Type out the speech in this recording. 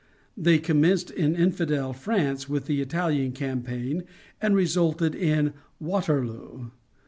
They commenced in infidel France with the Italian campaign, and resulted in Waterloo.